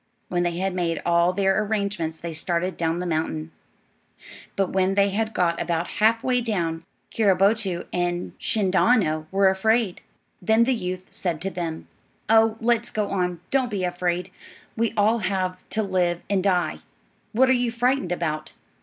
When they had made all their arrangements they started down the mountain, but when they had got about half way down Keeroboto and Shindaano were afraid. Then the youth said to them: "Oh, let's go on; don't be afraid. We all have to live and die. What are you frightened about?"